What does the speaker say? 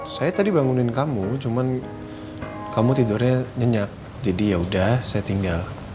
saya tadi bangunin kamu cuman kamu tidurnya nyenyak jadi yaudah saya tinggal